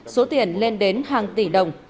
số tiền lên đến hàng tỷ đồng